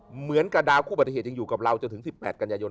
เหมือนกับดาวคู่บัติเหตุยังอยู่กับเราจนถึง๑๘กันยายน